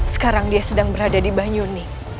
sekarang dia sedang berada di banyuni